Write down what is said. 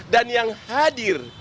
dan yang hadir